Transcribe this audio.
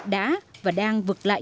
đã và đang vượt lại